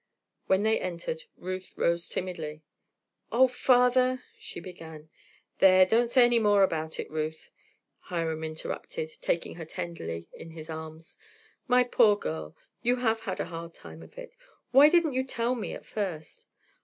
When they entered, Ruth rose timidly. "Oh! father" she began. "There, don't say any more about it, Ruth," Hiram interrupted, taking her tenderly in his arms. "My poor girl, you have had a hard time of it. Why didn't you tell me all at first?"